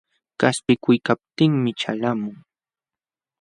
Qaspiykuykaptinmi ćhalqamun.